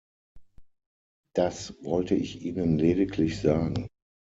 Das wollte ich Ihnen lediglich sagen.